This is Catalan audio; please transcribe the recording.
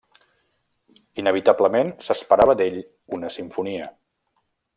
Inevitablement, s'esperava d'ell una simfonia.